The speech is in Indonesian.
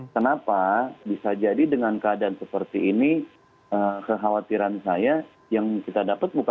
kenapa bisa jadi dengan keadaan seperti ini kekhawatiran saya yang kita dapat menurut saya